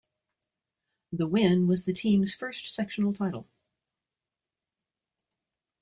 The win was the team's first sectional title.